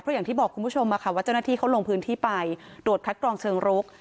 อย่างที่บอกคุณผู้ชมว่าเจ้าหน้าที่เขาลงพื้นที่ไปตรวจคัดกรองเชิงรุก